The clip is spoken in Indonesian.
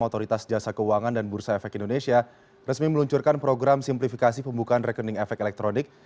otoritas jasa keuangan dan bursa efek indonesia resmi meluncurkan program simplifikasi pembukaan rekening efek elektronik